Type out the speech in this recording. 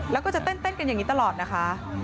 แล้วก็จะเต้นกันอย่างนี้ตลอดนะคะ